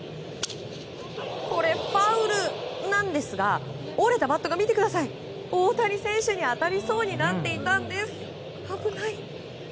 これ、ファウルなんですが折れたバットが見てください大谷選手に当たりそうになっていたんです。